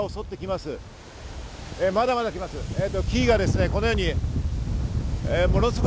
まだまだ来ます。